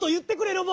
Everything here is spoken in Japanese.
ロボ！